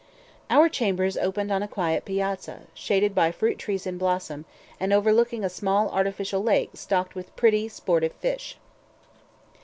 Our chambers opened on a quiet piazza, shaded by fruit trees in blossom, and overlooking a small artificial lake stocked with pretty, sportive fish.